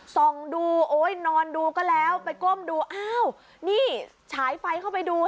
ส่องดูโอ๊ยนอนดูก็แล้วไปก้มดูอ้าวนี่ฉายไฟเข้าไปดู